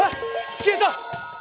消えた！